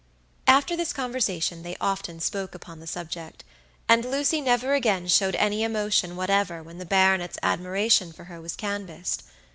After this conversation they often spoke upon the subject, and Lucy never again showed any emotion whatever when the baronet's admiration for her was canvassed.